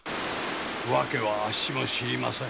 訳はあっしも知りません。